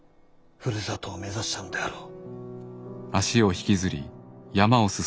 ふるさとを目指したのであろう。